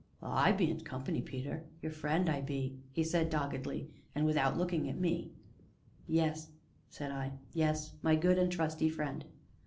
"Well, I bean't company, Peter your friend, I be," he said doggedly, and without looking at me. "Yes," said I; "yes, my good and trusty friend."